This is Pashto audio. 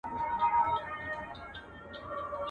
o درواغجن، هېرجن وي.